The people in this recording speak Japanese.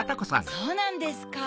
そうなんですか。